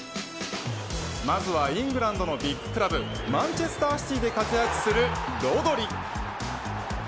まずはイングランドのビッグクラブマンチェスターシティで活躍するロドリ。